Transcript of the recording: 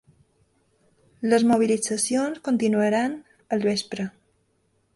Les mobilitzacions continuaran el vespre.